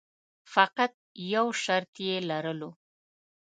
فقط یو شرط یې لرلو.